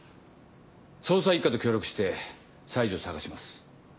捜査一課と協力して西城を捜します。